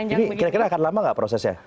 ini kira kira akan lama nggak prosesnya